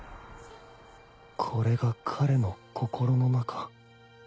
これが彼の心の中